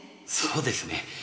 そうですね。